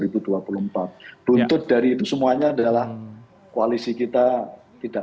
buntut dari itu semuanya adalah koalisi kita tidak